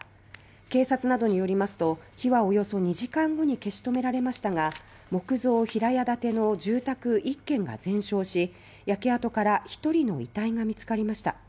警察などによりますと火はおよそ２時間後に消し止められましたが木造平屋建ての住宅１軒が全焼し焼け跡から１人の遺体が見つかりました。